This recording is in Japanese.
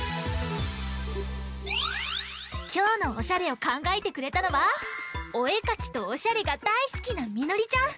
きょうのおしゃれをかんがえてくれたのはおえかきとおしゃれがだいすきなみのりちゃん。